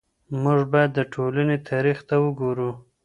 موږ بايد د ټولني تاريخ ته وګورو.